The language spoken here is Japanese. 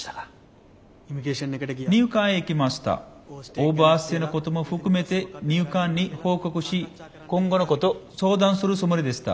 オーバーステイのことも含めて入管に報告し今後のこと相談するつもりでした。